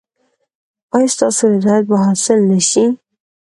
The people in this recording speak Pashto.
ایا ستاسو رضایت به حاصل نه شي؟